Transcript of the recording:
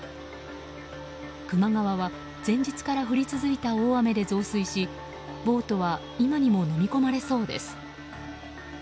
球磨川は前日から降り続いた雨で増水しボートは今にものみ込まれそうです。